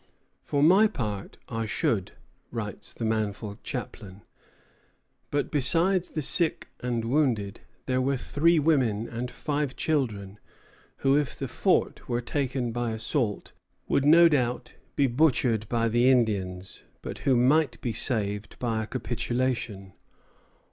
For my part, I should," writes the manful chaplain. But besides the sick and wounded, there were three women and five children, who, if the fort were taken by assault, would no doubt be butchered by the Indians, but who might be saved by a capitulation.